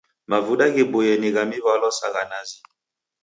Mavuda ghiboie ni gha miw'alwa sa gha nazi.